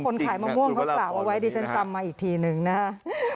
คุณขายมะม่วงเขาปล่าวไว้ดีฉันจำมาอีกทีหนึ่งนะฮะ